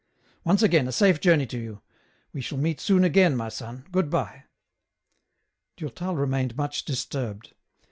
Once again, a safe journey to you ; we shall meet soon again, my son, good bye." Durtal remained much disturbed.